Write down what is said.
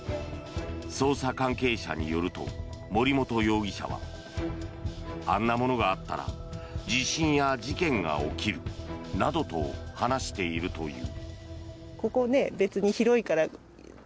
捜査関係者によると森本容疑者はあんなものがあったら地震や事件が起きるなどと話しているという。